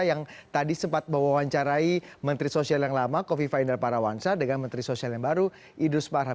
yang tadi sempat mewawancarai menteri sosial yang lama kofi fahim darparawansa dengan menteri sosial yang baru idrus parham